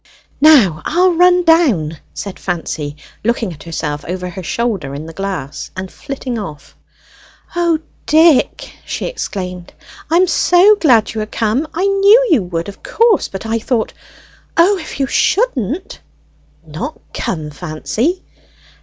"Now, I'll run down," said Fancy, looking at herself over her shoulder in the glass, and flitting off. "O Dick!" she exclaimed, "I am so glad you are come! I knew you would, of course, but I thought, Oh if you shouldn't!" "Not come, Fancy!